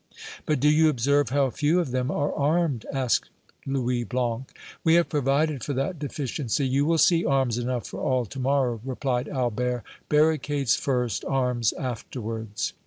"But do you observe how few of them are armed?" asked Louis Blanc. "We have provided for that deficiency. You will see arms enough for all to morrow," replied Albert. "Barricades first, arms afterwards!"